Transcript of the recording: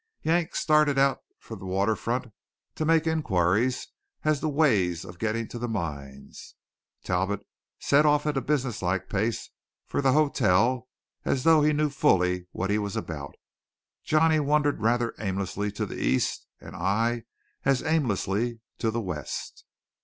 Yank started for the water front to make inquiries as to ways of getting to the mines; Talbot set off at a businesslike pace for the hotel as though he knew fully what he was about; Johnny wandered rather aimlessly to the east; and I as aimlessly to the west.